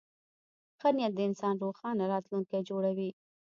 ښه نیت د انسان روښانه راتلونکی جوړوي.